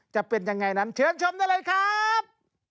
จะเป็นยังไงนั้นเชิญชมได้เลยครับ